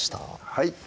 はい